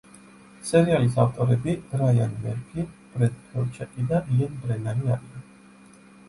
სერიალის ავტორები რაიან მერფი, ბრედ ფელჩაკი და იენ ბრენანი არიან.